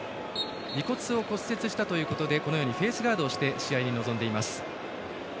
鼻骨を骨折したということでフェースガードを着けて試合に臨んでいます。